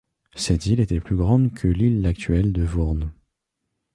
Cette île était plus grande que l'île actuelle de Voorne.